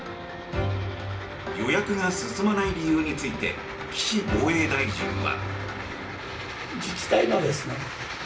予約が進まない理由について岸防衛大臣は。